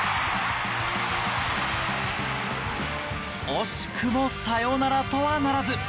惜しくもサヨナラとはならず。